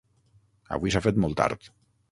Avui s'ha fet molt tard.